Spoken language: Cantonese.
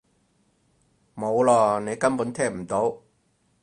冇囉！你根本聽唔到！